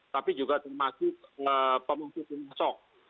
tapi juga termasuk pemusuh pemasok